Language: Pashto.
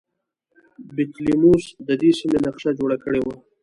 بطلیموس د دې سیمې نقشه جوړه کړې وه